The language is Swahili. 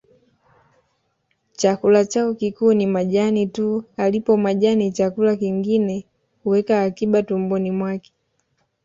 Chakula chao kikuu ni majani tu alipo majani chakula kingine huweka akiba tumboni mwake